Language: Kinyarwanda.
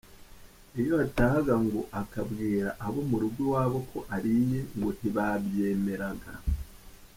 Iyo yatahaga ngo akabwira abo mu rugo iwabo ko ariye ngo ntibabyemeraga.